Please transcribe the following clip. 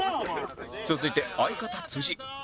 続いて相方